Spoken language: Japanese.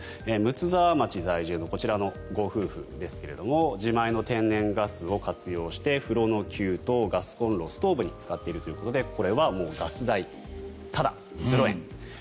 睦沢町在住のこちらのご夫婦ですが自前の天然ガスを活用して風呂の給湯ガスコンロ、ストーブに使っているということでこれはガス代タダ、０円。